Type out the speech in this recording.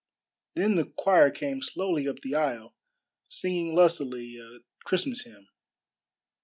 Then the choir came slowly up the aisle singing lustily a Christmas hymn.